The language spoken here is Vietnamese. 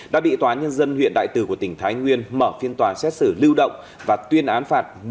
đã bị tòa nhân dân huyện đại từ của tỉnh thái nguyên mở phiên tòa xét xử lưu động và tuyên án phạt